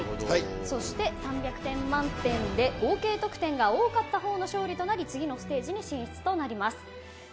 そして３００点満点で合計得点が多かった方の勝利となり次のステージに進出となります。